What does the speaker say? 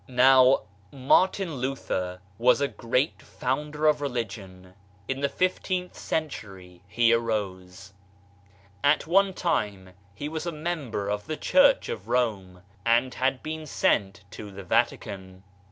Now, Martin Luther was a great founder of religion. In the fifteenth century he arose. At one time he was a member of the Church of Rome and had been sent to the Vatican.